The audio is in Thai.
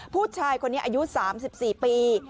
ผู้ชายคนนี้อายุ๓๔ปี